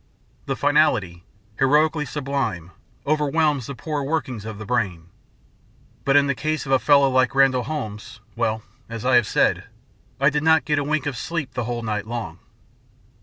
The finality, heroically sublime, overwhelms the poor workings of the brain. But in the case of a fellow like Randall Holmes well, as I have said, I did not get a wink of sleep the whole night long.